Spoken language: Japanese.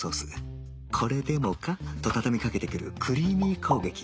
これでもかと畳みかけてくるクリーミー攻撃